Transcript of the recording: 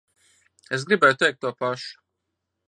Es gribēju teikt to pašu.